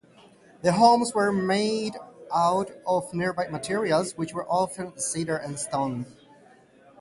The homes were made out of nearby materials, which were often cedar and stone.